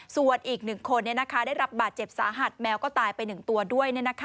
ส่วนอีก๑คนได้รับบาดเจ็บสาหัสแมวก็ตายไป๑ตัวด้วย